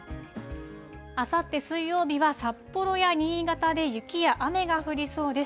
あさって水曜日は、札幌や新潟で雪や雨が降りそうです。